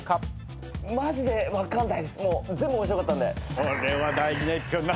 全部面白かったんで。